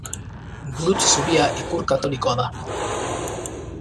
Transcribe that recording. Gurutze zuria ikur katolikoa da.